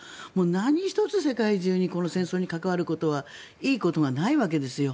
何一つ、世界中にこの戦争に関わることはいいことがないわけですよ。